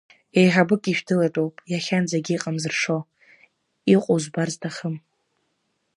Еиҳабык ишә дылатәоуп иахьанӡагь иҟам зыршо, иҟоу збар зҭахым.